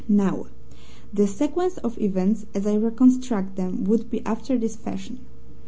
"Now, the sequence of events as I reconstruct them would be after this fashion.